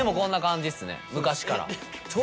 昔から。